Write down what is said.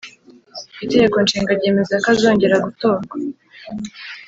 Itegeko nshinga ryemeza ko azongera gutorwa